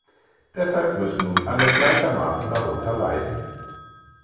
Deshalb müssen nun alle gleichermaßen darunter leiden.